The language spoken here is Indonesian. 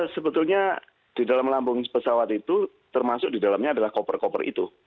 sebetulnya di dalam lambung pesawat itu termasuk di dalamnya adalah koper koper itu